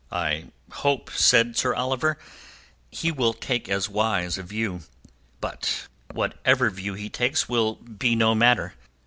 "I hope," said Sir Oliver, "he will take as wise a view. But whatever view he takes will be no matter.